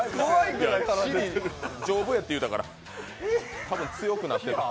丈夫やって言うたから、多分強くなってる。